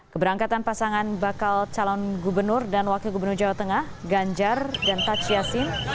keberangkatan pasangan bakal calon gubernur dan wakil gubernur jawa tengah ganjar dan taj yassin